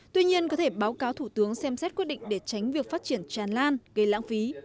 tuy nhiên có thể báo cáo thủ tướng xem xét quyết định để tránh việc phát triển tràn lan gây lãng phí